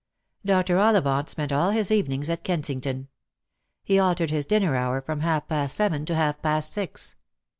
Dr. Ollivant spent all his evenings at Kensington. He altered his dinner hour from half past seven to half past six.